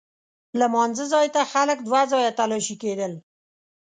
لمانځه ځای ته خلک دوه ځایه تلاښي کېدل.